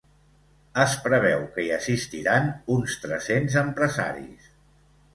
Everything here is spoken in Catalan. Es preveu que hi assistiran uns tres-cents empresaris.